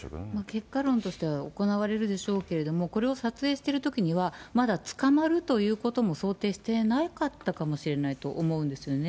結果論としては行われるでしょうけれども、これを撮影しているときには、まだ捕まるということも想定してなかったかもしれないと思うんですよね。